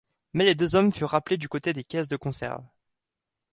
Mais les deux hommes furent rappelés du côté des caisses de conserves.